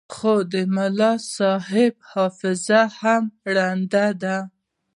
خو د ملاصاحب حافظه هم ړنده ده.